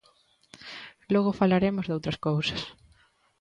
Logo falaremos doutras cousas.